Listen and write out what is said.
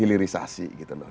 dan juga organisasi gitu loh